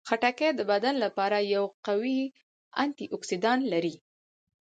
خټکی د بدن لپاره یو قوي انټياکسیدان لري.